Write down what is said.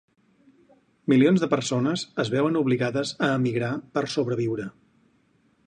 Milions de persones es veuen obligades a emigrar per sobreviure.